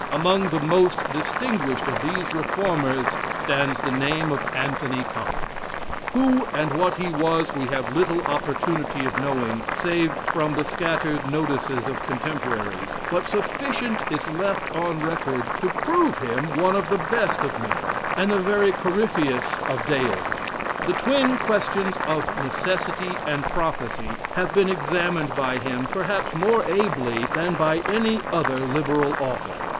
Amongst the most distinguished of these reformers, stands the name of Anthony Collins. Who and what he was, we have little opportunity of knowing, save from the scattered notices of contemporaries; but sufficient is left on record to prove him one of the best of men, and the very Corypheus of Deism. The twin questions of Necessity and Prophecy have been examined by him perhaps more ably than by any other liberal author.